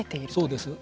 そうです。